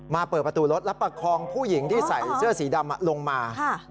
เปิดประตูรถแล้วประคองผู้หญิงที่ใส่เสื้อสีดำลงมา